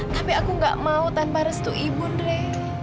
tapi aku gak mau tanpa restu ibu deh